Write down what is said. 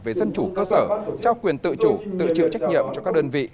về dân chủ cơ sở trao quyền tự chủ tự chịu trách nhiệm cho các đơn vị